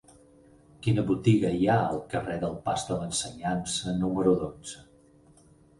Quina botiga hi ha al carrer del Pas de l'Ensenyança número dotze?